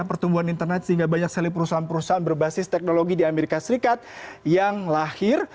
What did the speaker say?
pertumbuhan internet sehingga banyak sekali perusahaan perusahaan berbasis teknologi di amerika serikat yang lahir